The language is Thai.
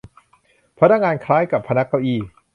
พนักงาน คล้ายกับพนักเก้าอี้